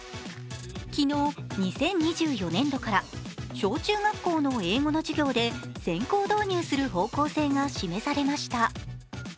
昨日、２０２４年度から小中学校の英語の授業で先行導入する方向性が示されました。